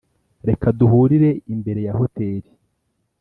reka duhurire imbere ya hoteri.